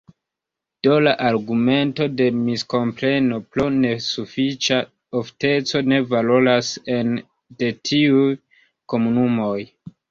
Do la argumento de miskompreno pro nesufiĉa ofteco ne valoras ene de tiuj komunumoj.